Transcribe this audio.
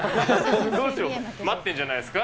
待ってんじゃないですか？